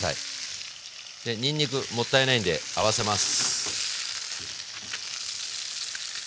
にんにくもったいないんで合わせます。